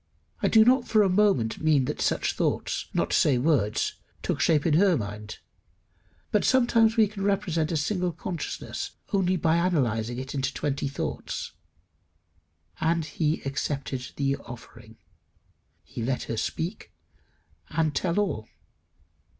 I do not for a moment mean that such thoughts, not to say words, took shape in her mind; but sometimes we can represent a single consciousness only by analysing it into twenty thoughts. And he accepted the offering. He let her speak, and tell all.